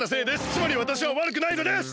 つまりわたしはわるくないのです！